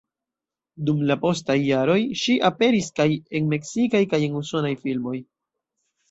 Dum la postaj jaroj ŝi aperis kaj en meksikaj kaj en usonaj filmoj.